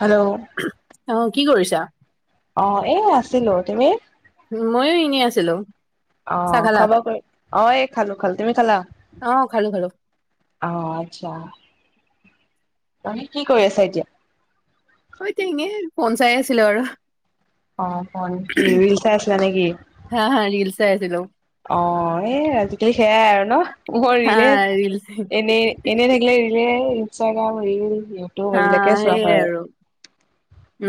Hello অঁ' কি কৰিছা? অঁ' এ আছিলো, তুমি? ময়ো এনেই আছিলো। চাহ অঁ' খালা খাবা কে অঁ' এই খালো খালো, তুমি খালা? অঁ' খালো খালো। অঁ' আৎচ্ছা। তুমি কি কৰি আছা এতিয়া? অ এতিয়া এনেই ফন চাই আছিলো আৰু। অঁ' ফন কি ৰীল চাই আছিলা নেকি? হাঁ হাঁ ৰীল চাই আছিলো। অঁ' এই আজিকালি সেয়াই আৰু ন, অঁ' হা ৰীলে। ৰিল এনেই, এনেই থাকিলে ৰীলে ইনষ্টাগ্ৰাম ৰীল- হাঁ সেইয়ে আৰু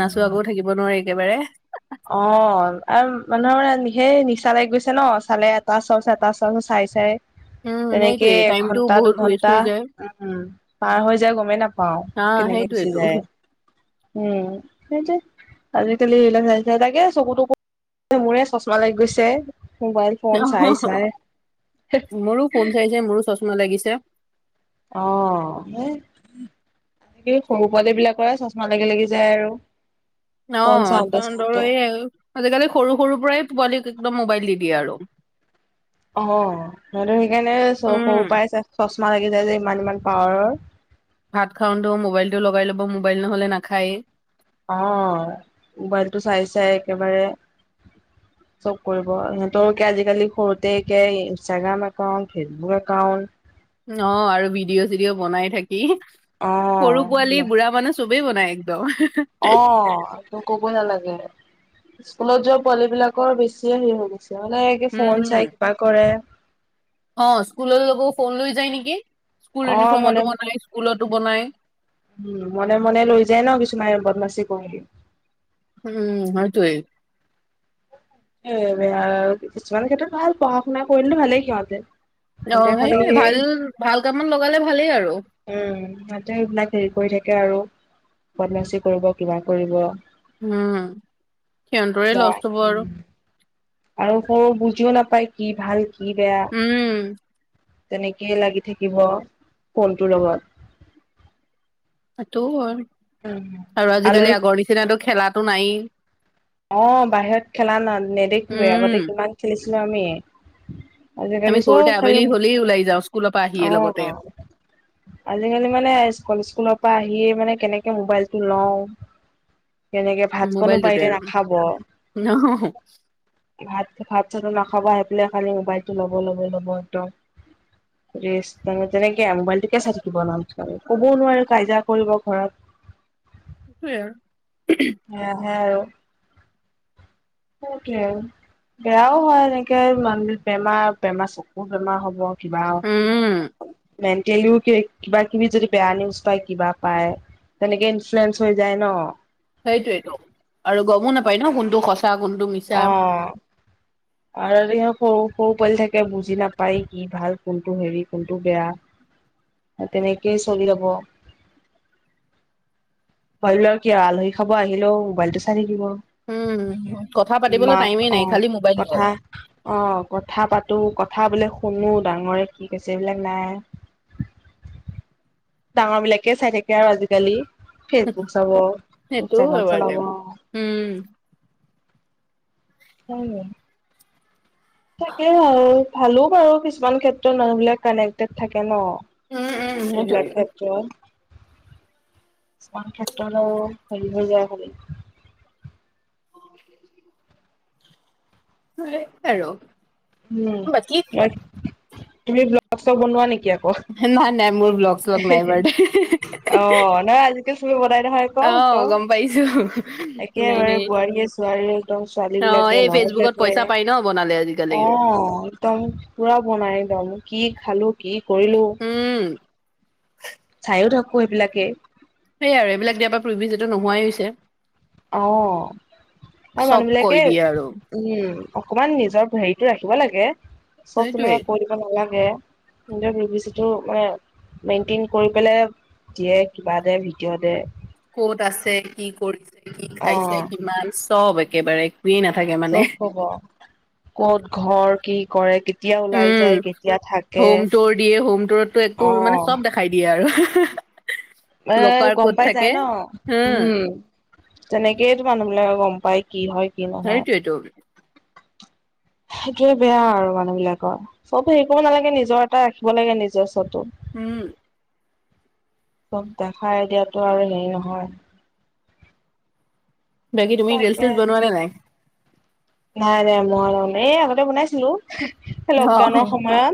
নাচোৱাকো থাকিব নোৱাৰি একেবাৰে- অঁ' আৰু মানুহৰ মানে সেই নিচা লাগি গৈছে ন চালে এটা চল এটা চ চাই চাই। উম তেনেকে সেইটোয়ে টাইমটো এঘন্টা বহুত ৱেষ্ট দুঘন্টা, হৈ যায় উম'। পাৰ হৈ যায় গমেই নাপাওঁ, হা কেনেকে গুচি সেইটোয়েতো যায়। উম' সেইটোৱে আজিকালি আহিল যে- তাকে চকু তকো মোৰে চচমা লাগি গৈছে। মোবাইল- ফোন চাই অঁহঁ' হঁ' চাই মোৰো ফোন চাই চাই মোৰো চচমা লাগিছে। অঁ হেই। সেই সৰু পোৱালি বিলাকৰ চচমা লাগি লাগি যায় আৰু। ফোন অঁ চাওঁতে চাওঁতে এই আজিকালি সৰু সৰুৰ পৰাই পোৱালিকক একদম মোবাইল দি দিয়ে আৰু। অঁ সতো সেইকাৰণে সৰু উম পৰাই চচমা লাগি যায় যে ইমান ইমান পাৱাৰৰ। ভাত খাওঁতেো মোবাইলটো লগাই ল'ব মোবাইল নহ'লে নাখায়েই। অঁ মোবাইলটো চাই চাই একেবাৰে চব কৰিব সিহঁতৰকে আজিকালি সৰুতে একে ইনষ্টাগ্ৰাম একাউণ্ট ফেচবুক একাউণ্ট। ন আৰু ভিডিঅ চিডিঅ' বনাই থাকি অ সৰু পোৱালি বুঢ়া মানোজ চবেই বনাই একদম। অঁ! কব নালাগে স্কুলত যোৱা পোৱালি বিলাকৰ বেছিয়ে হেৰি হৈ গৈছে মানে- এই ফোন চাই কিবা কৰে। অঁ স্কুলৰ লগ ফোন লৈ যায় নেকি স্কুল অ মনে ইউনিফৰ্মতো বনাই স্কুলতো বনাই। উমঁ মনে মনে লৈ যায় ন কিছুমান বদমাচি কৰো বুলি। উমঁ সেইটো এই। এয়া কিছুমানৰ ক্ষেত্ৰত ভাল পঢ়া শুনা কৰিলে ভালেই সিহঁতে অঁ সিহঁতে খালি ইসেইটোৱে সেই ভাল ভাল কামত লগালে ভালেই আৰু উমঁ সিহতে সোনাকে হেৰি কৰি থাকে আৰু পদ্মাশ্ৰী কৰিব কিবা কৰিব। উমঁ সিহঁতৰে বা লছ হ'ব আৰু। উম আৰু সৰু বুজিও নাপায় কি ভাল কি বেয়া। উম তেনেকেই লাগি থাকিব ফোনটোৰ লগত। সেইটো হয় আৰু আজিকালি আলহীক আগৰ নিচিনাতটো খেলাতো নায়েই। অঁ বাহিৰত খেলা না নেদেখোয়ে উম আগতে কিমান খেলিছিলো আমি। আমি আজিকালি সৰুতে চব আবেলি খাই হলেই ওলাই মন যাওঁ স্কুলৰ পৰা আহিয়ে লগতে অঁ আজিকালি মানে স্কুল স্কুলৰ পৰা আহিয়ে মানে কেনেকে মোবাইল টো লওঁ। কেনেকে ভাতখনো পাই দেনা নোআহ। ভাত ভাত চাত নাখাব আহি পেলাই খালি মোবাইলটো ল'ব ল'বই ল'ব একদম। ৰেষ্ট তেনেকে মোবাইল তোকে চাই থাকিব নামচে ক'বও নোৱাৰো কাজিয়া কৰিব ঘৰত। সেতোয়ে আৰু। সেয়া হে আৰু ঔকে। বেয়াও হয়ঁ এনেকে মান বেমাৰ বেমাৰ চকু বেমাৰ হ'ব। কিবাও আৰু উম - মেণ্টেলিও কিবা কিবি যদি বেয়া নিউজ পায় কিবা পায়। তেনেকে ইনফ্লুয়েন্ঞ্চ হৈ যায় ন। সেইটোয়েটো আৰু গ'মো নাপায় ন কোনটো সঁচা কোনটো মিছা। অঁ! আৰে সৰু সৰু পোৱালি থাকে বুজি নাপায় কি ভাল কোনটো হেৰি কোনটো বেয়া। তেনেকেই চলি ৰব। পোৱালি ল'ৰা আৰু কি আলহী খাব আহিলেও মোবাইলটো চাই থাকিব। উমঁ কথা পাতিবলৈ টাইমেই নাই খালি মোবাইল ধৰ। অঁ কথা পাতো কথা বোলে শুনো ডাঙৰে কি কৈছে এইবিলাক নাই। ডাঙৰ বিলাকে চাই থাকে আৰু আজিকালি ফেচবুক চাব ইনষ্টাগ্ৰাম চলাব। উমঁ। কোন তাকে আও। ভালো বাৰু কিছুমান ক্ষেত্ৰত মানুহবিলাক কানেক্টেড থাকে ন, উম, উম, এইবিলাক সেইটোৱে কিছুমান ক্ষেত্ৰত আও হেৰি হৈ যায় খালি। [inaudible] হেৰৌ। উম' তুমি ব্লগ শ্লগ বনোৱা নেকি আ? নাই নাই মোৰ ব্লগ শ্লগ নাই বাৰু দে। অ নহয় আজিকালি চবে বনাই নহয়। কওঁ ত, অ', গম পাইছো নাই একেবাৰে নাই বোৱাৰীয়ে ছোৱাৰীয়ে, একদম ছোৱালী অ', বিলাকে এই ল'ৰা ফেচবুকত বিলাকে। পইচা পাই ন বনালে আজি অ একদম, পুৰা বনাই একদম, কি খালো কি কৰিলোঁ। উম। চাইয়ো থাকো সেইবিলাকে। সেইটোৱে আৰু এইবিলাক দিয়া পৰা প্ৰিভেচীটো নোহোৱাই হৈছে। অ আৰু চব মানুহ বিলাকে কৈ দিয়ে আৰু উম 'অকমান নিজৰ হেৰিটো ৰাখিব লাগে, চব সেইটোৱে তেনেকে কৰিব নালাগে। কিন্তু প্ৰিভেচীটো মানে মেইনটেইন কৰি পেলায় দিয়ে কিবা দে, ভিডিঅ' দে। ক'ত আছে, কি কৰিছে, কি খাইছে অ' কিমান, চব একেবাৰে একোৱেই নাথাকে। মানে চব কব, ক'ত ঘৰ, কি কৰে। কেতিয়া ওলাই উম যায় কেতিয়া থাকে 'হোম টুৰ দিয়ে, হোম টুৰতটো একো মানে অ', চব দেখা। দিয়ে আৰু। মানে লকাৰ গম ক'ত পাই যাই থাকে ন, উম। তেনেকেইতো মানুহবিলাকে গম পায়, কি হয় কি নহয়। সেইটোয়েতো সেইটোয়ে বেয়া আৰু মানুহ বিলাকৰ। চবে হেৰি কৰিব নালাগে, নিজৰ এটা ৰাখিব লাগে নিজস্বটো। উম। চব দেখাই দিয়াতো আৰু হেৰি নহয়। বাকী তুমি ৰিলচ, তাকে তিলছ বোনোৱা নে নাই? নাই, নাই মই এই আগতে বনাইছিলোঁ। অ লকডাউনৰ সময়ত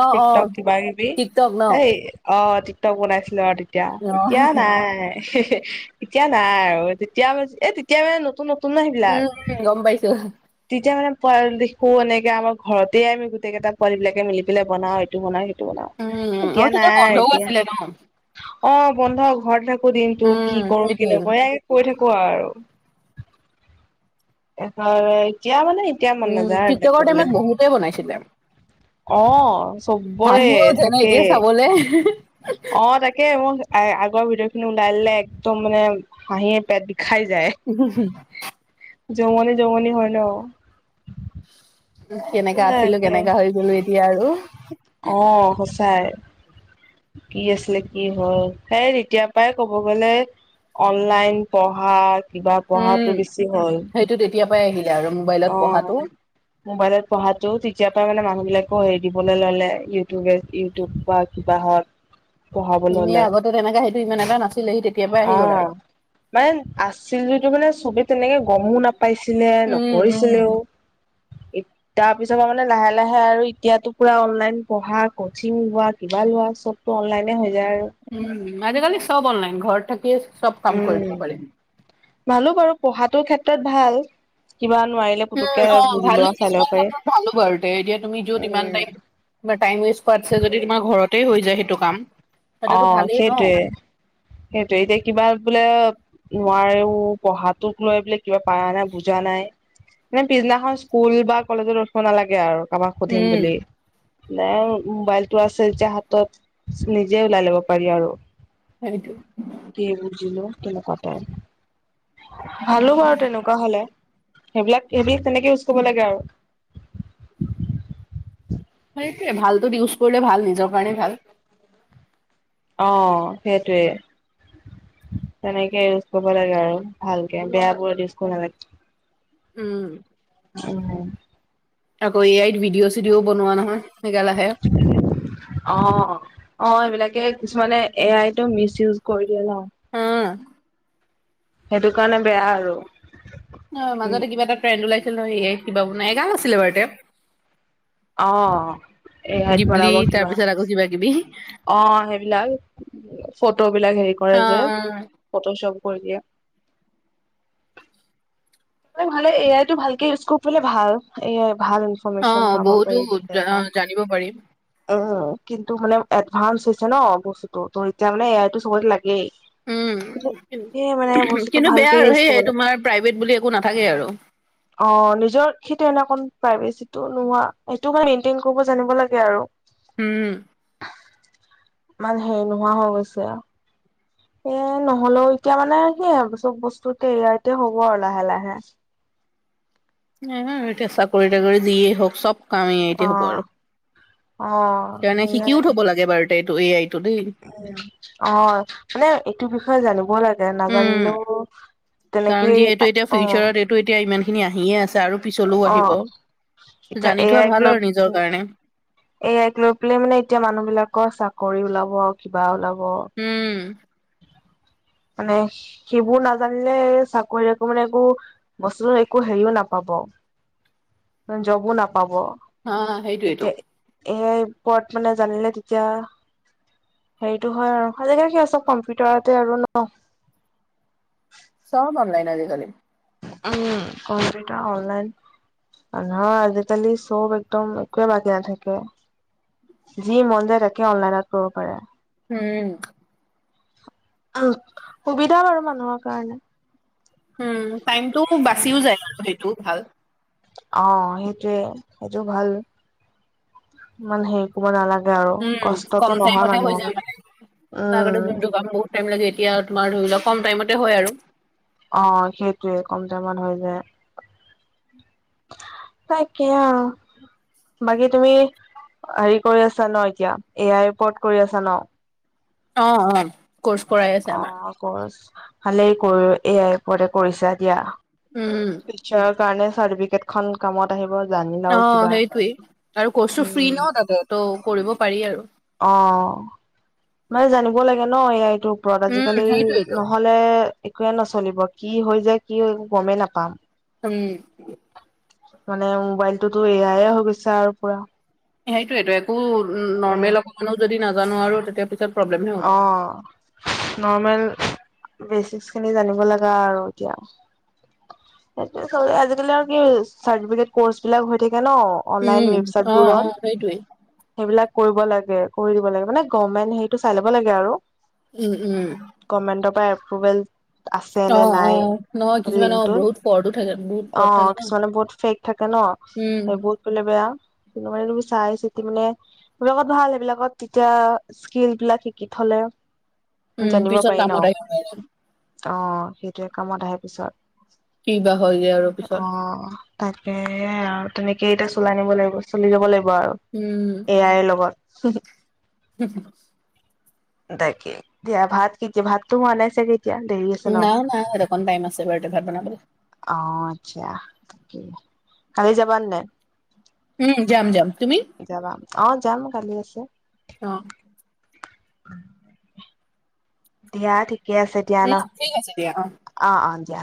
অ অ টিকটক কিবা কিবি টিকটক ন অ এই। অ টিকটক বনাইছিলোঁ আৰু তেতিয়া, এতিয়া উম নাই। এতিয়া নাই আৰু, তেতিয়া এ তেতিয়া মানে নতুন নতুন ন সেইবিলাক। উম গম পাইছো। তেতিয়া মানে পোৱালি দেখো এনেকে, আমাৰ ঘৰতে আমি গোটেই কেইটা পোৱালিব বিলাকে মিলি পেলাই বনাও। ইটো বনাও, সিটো বনাও, উম এতিয়া আৰু তেতিয়া নাই বন্ধও এতিয়া আছিলে ন অ বন্ধ ঘৰত থাকো। দিনটো উম কি কৰো, কি সেইটোয়ে নকৰো, এ কৈ থাকো আৰু। এতিয়া মানে এতিয়া মন উম নাযায় আৰু টিকটকৰ কবলে টাইমত বহুতে বনাইছিলে অ চবৰে থাকে। বোলে অ তাকে মই আগৰ ভিডিঅখিনি ওলাই ললে, একদম মানে হাঁহি হাঁহি পেট বিষাই যায়। [unintelligible] জমনি জমনি হয় ন। কেনেকা আছিলো, তাকে কেনেকা হৈ গলো এতিয়া আৰু। অ সঁচাই। কি আছিলে কি হল, সেই তেতিয়াৰ পৰাই কব গ'লে অনলাইন পঢ়া, কিবা পঢ়াটো বেছি হ'ল। হে তেতিয়া পৰাই আহিলে আৰু মোবাইলত অ পঢ়াটো মোবাইলত পঢ়াটো তেতিয়াৰ পৰা মানে মানুহবলাকেও হেৰি দিবলৈ ললে ইউটিউবে ইউটিউব বা কিবা হওক হয় এনে আগতে তেনেকা সেইটো ইমান এাৰ নাছিলে সি তেতিয়াৰ পৰা অ আহি গ'ল আৰু মানে আছিল যদিটো মানে চবে তেনেকে গমো নাপাইছিলে ন উম উম এ তাৰ পিছত মানে লাহে লাহে আৰু এতিয়াতো পুৰা অনলাইন পঢ়া কচিং হোৱা কিবা লোৱা চব টো অনলাইনে হৈ যায় আৰু উ আজিকালি চব অনলাইন ঘৰত থাকিয়ে চব কাম আৰু কৰিব পাৰিম ভালো বাৰু পঢ়াটো ক্ষেত্ৰত ভাল কিবা নোৱাৰি অ‌ ভাল ভালো বাৰু তে এতিয়া তুমি যত ইমান টাইম টাইম ৱেষ্ট কৰাছে যদি তোমাৰ ঘৰতেই হৈ যায় সেইটো কাম অ সেইটোতো ভালেই ন। সেইটোৱে সেইটো এতিয়া কিবা বোলে নোৱাৰেও পঢ়াটোক লৈ বোলে কিবা পাৰা নাই বুজা নাই মানে পিছদিনাখন স্কুল বা কলেজত ৰখিব নালাগে আৰু কাৰোবাক সুধিম উম বুলি ন মোবাইলটো আছিল যে হাতত নি যে ওলাই ল'ব পাৰি আৰু হয়টো কি বুজিলো কনে কটাই ভালো বাৰু তেনেকুৱা হলে সেইবিলাক সেইবিলাক তেনেকে ইউজ কৰিব লাগে আৰু সেইটোৱে ভালটোত ইউজ কৰিলে ভাল নিজৰ কাৰণে ভাল অ সেইটোৱে তেনেকে ইউজ কৰিব লাগে আৰু ভালকে বেয়া বোৰত ইউজ কৰিব নালাগে উম উম আকৌ এ আইত ভিডিঅ' চিডিঅও বনোৱা নহয় হেগাল আহে উ অ অ এইবিলাকে কিছুমানে এ আই তটো মিচ ইউজ কৰি দিয়ে না অম সেইটো কাৰণে বেয়া আৰু হয় উম মাজতে কিবা এটা ট্ৰেণ্ড ওলাইছিল নহয় কিবা বাই এগাল আছিলে বাৰু তেওঁ অঁ গিবলি তাৰ পিছত আকৌ কিবা কিবি অ সেইবিলাক ফটো বিলাক হেৰি কৰে অ যে ফটো চ্বপ কৰি দিয়ে ভালে এ আইটো ভালকে ইউজ কৰিব পাৰিলে ভাল এ আই ভাল। অ অ [unintelligible] পাব বহুতো পাৰি দিলে জা- অ, এবাৰ জানিব পাৰিম উ কিন্তু মানে এডভান্স হৈছে ন বস্তুতটো ত এতিয়া মানে এইতটো চবইতে লাগেই। উম সেয়ে মানে বস্তুটো কিন্তু বেয়া ভালকে আৰু ইউজ কৰিব সেইয়াই লাগে। তোমাৰ প্ৰাইভেট বুলি একো নাথাকে আৰু। অ নিজৰ সেইটো এনেক প্ৰাইভেচিটো নোহোৱা সেইটো মানে মেইনটেইন কৰিব জানিব লাগে আৰু উম ইমান হেৰি নোহোৱা হৈ গৈছে আৰু এ নহ'লেও এতিয়া মানে সেই আৰু চব বস্তু এ আইটে হ'ব আৰু লাহে লাহে। অ এতিয়া চাকৰি তাকৰি যিয়েই হওক চব কাম এই আইতে হ'ব অ' আৰু অ' সেইকাণে শিকিও এয়াই থব লাগে বাৰু এইটো এই আইটো দেই অ', মানে এইটো বিষয়ে জানিব লাগে। উম নাজানিলেওঁ কাৰণ তেনেকেই যিহেতু এতিয়া অ'। ফিউচাৰত এইটো এতিয়া ইমান খিনি আহিয়ে আছে, আৰু পিছলৈও আহিব। অ' এতিয়া জানি থোৱা ভাল আৰু নিজৰ কাৰণে। এআইক লৈ পেলাই মানে এতিয়া মানুহ বিলাকৰ চাকৰি ওলাব আৰু কিবা ওলাব। উম। মানে সেইবোৰ নাজানিলে চাকৰি আকৌ মানে একো বস্তুটো একো হেৰিও নাপাব। জবো নাপাব। হা সেইটোৱেইটো। এ আই ওপৰত মানে জানিলে তেতিয়া হেৰিটো হয় আৰু খালী সেইয়া চব কম্পিউটাৰতে আৰু ন'! চব অনলাইন আজিকালি। উম, কম্পিউটাৰ অনলাইন। নহয় আজিকালি চব একদম একোৱে বাকী নাথাকে। যি মন যায় তাকে অনলাইনত কৰিব পাৰে। উম। অ', সুবিধা বাৰু মানুহৰ কাৰণে। উম, টাইমটো বাচিও যায় আৰু সেইটো ভাল। অ', সেইটোৱে, সেইটো ভাল। ইমান হেৰি কৰিব নালাগে আৰু উম, কম কষ্টটো নহয় টাইমতে হৈ যায় মানুহৰ, মানে। আগতে উম। যোনটো কাম বহুত টাইম লাগে এতিয়া তোমাৰ ধৰি লোৱা কম টাইমতে হয় আৰু। অ', সেইটোয়ে কম টাইমত হৈ যায়। তাকে আৰু। বাকী তুমি হেৰি কৰি আছা ন' এতিয়া, এ আইৰ ওপৰত কৰি আছা ন'? অ', অ'। কৰ্চ কৰাই আছে আমাৰ। অ', কোচ ভালেই কৰ এআই ওপৰতে কৰিছা দিয়া। উম। ফিউচাৰৰ কাৰণে চাৰ্টিফিকেট খন কামত আহিব। জানিলাও অ', কিবা সেইটোৱেই আৰু কৰ্চটো ফ্ৰী উম ন' তাতে ত' কৰিব পাৰি আৰু। অ', মানে জানিব লাগে ন' এআইটোৰ ওপৰত উম, আজিকালি, সেইটোৱেইটো। নহ লে একোৱে নচলিব কি হৈ যায় কি হৈ একো গ'মেই নাপাম। উম। মানে মোবাইলটোতো এয়াই হৈ গৈছে আৰু পুৰা। সেইটোয়েইটো একো উম, নৰ্মেল অকমানো যদি নাজানো আৰু তেতিয়া পিছত প্ৰব্লেমহে হ'ব। অ', নৰ্মেল বেচিক খিনি জানিব লাগে আৰু এতিয়া। সেই আজিকালি আৰু কি চাৰ্টিফিকেট কৰ্চ বিলাক হৈ থাকে ন'! অনলাইন উম, অ', অ', ৱেবচাইটবোৰত। সেইটোৱেই। সেইবিলাক কৰিব লাগে কৰি দিব লাগে, মানে গভমেন্ট সেইটো চাই ল'ব লাগে আৰু। উম, উম। গভমেণ্টৰ পৰা এপ্ৰোভেল আছে নে অ', নাই অ', নহয় কিছুমান অ', লিংকটোত, বহুত ফ্ৰডো থাকে বহুত ফ্ৰড অ', থাকে ন। কিছুমানে বহুত ফেক থাকে ন' উম। সেইবোৰত লে বেয়া কিন্তু মানে তুমি চাই চিতি মানে এইবিলাকত ভাল সেইবিলাকত তেতিয়া স্কিল বিলাক শিকি থলে উম, জানিব পিছত পাৰি ন'! কামত আহিব নোৱাৰিম, অ', সেইটোয়ে কামত আহে পিছত, কি বা হয়গে আৰু পিছত। আহ। তাকে আও তেনেকে এতিয়া চলাই নিব লাগিব চলি যাব লাগিব আৰু উম এ আইৰ লগত [unintelligible] দাকে দিয়া ভাত কি কি ভাত তো হোৱা নাই চাগে এতি যা দেৰি আছে ন নাই নাই এদেখোন টাইম আছে বাৰডে ভাত বনাবলে অ আচ্ছা তাকেই কালি যাবানে নাই উম যাম যাম তুমি যাবা অ যাম কালি আছে অ দিয়া ঠিক ঠিকে আছে এতিয়া ন উম, ঠিক আছে দিয়া অ অ দিয়া